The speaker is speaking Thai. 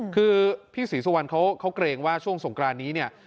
คือพี่ศรีสุวรรณเขาเกรงว่าช่วงสงกรานนี้เนี่ย